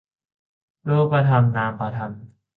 รูปธรรมนามธรรม